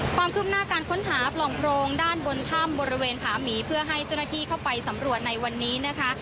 ความคืบหน้าการค้นหาปล่องโพรงด้านบนถ้ำบริเวณผาหมีเพื่อให้เจ้าหน้าที่เข้าไปสำรวจในวันนี้นะคะ